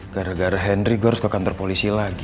gara gara henri gua harus ke kantor polisi lagi